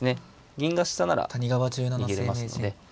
銀が下なら逃げれますので。